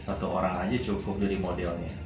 satu orang aja cukup jadi modelnya